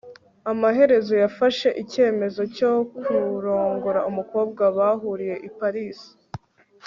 amaherezo yafashe icyemezo cyo kurongora umukobwa bahuriye i paris